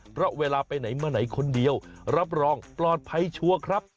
เพราะเวลาไปไหนมาไหนคนเดียวรับรองปลอดภัยชัวร์ครับ